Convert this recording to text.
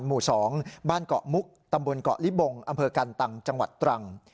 หมู่๒บ้านเกาะมุกตำบลเกาะลิบงอำเภอกันตังจังหวัดตรัง